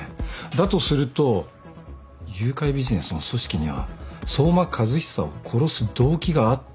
だとすると誘拐ビジネスの組織には相馬和久を殺す動機があったということになる。